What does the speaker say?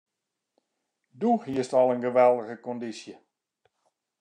Doe hiest al in geweldige kondysje.